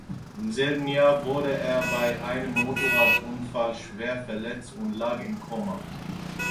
Im selben Jahr wurde er bei einem Motorradunfall schwer verletzt und lag im Koma.